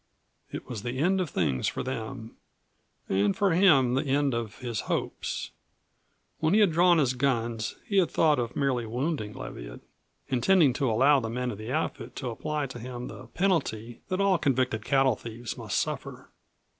It was the end of things for them, and for him the end of his hopes. When he had drawn his guns he had thought of merely wounding Leviatt, intending to allow the men of the outfit to apply to him the penalty that all convicted cattle thieves must suffer.